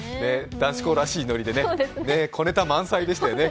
男子校らしいノリでね、小ネタ満載でしたよね。